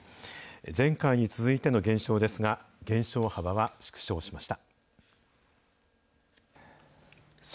前回に続いての減少ですが、減少幅は縮小しました。